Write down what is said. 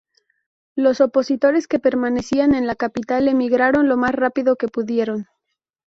Los opositores que permanecían en la capital emigraron lo más rápido que pudieron.